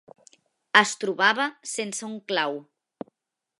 Es trobava sense un clau